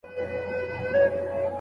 ژبنی سمون باید له سپارلو مخکې ترسره سي.